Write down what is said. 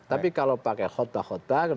tapi kalau pakai khutbah khutbah